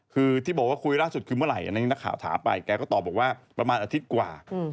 คือที่บอกว่าคุยล่าสุดคือเมื่อไหร่อันนี้นักข่าวถามไปแกก็ตอบบอกว่าประมาณอาทิตย์กว่า